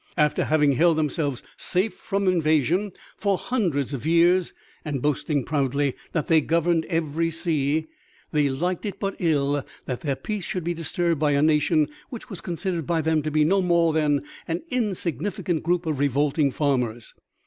After having held themselves safe from invasion for hundreds of years and boasting proudly that they governed every sea, they liked it but ill that their peace should be disturbed by a nation which was considered by them to be no more than an insignificant group of revolting farmers.